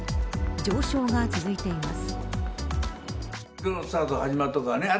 上昇が続いています。